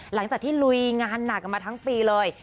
หลังจากที่ลุยงานหนักกันมาทั้งปีเลย